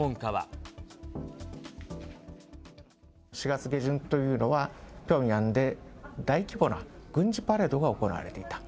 ４月下旬というのは、ピョンヤンで大規模な軍事パレードが行われていた。